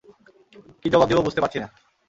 কী জবাব দিবো বুঝতে পারছি না।